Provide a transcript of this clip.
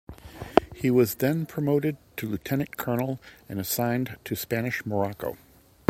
He was then promoted to lieutenant colonel and assigned to Spanish Morocco.